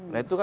nah itu kan